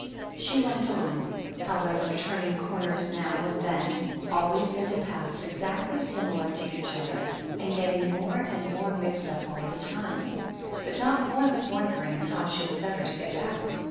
She went on, however, turning corners now and then, always into paths exactly similar to each other, and getting more and more mixed up all the time, but not once wondering how she was ever to get back.